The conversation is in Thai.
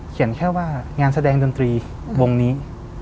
แค่ว่างานแสดงดนตรีวงนี้